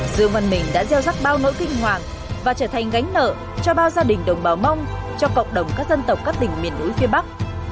dương văn mình đã gieo rắc bao nỗi kinh hoàng và trở thành gánh nợ cho bao gia đình đồng bào mong cho cộng đồng các dân tộc các tỉnh miền núi phía bắc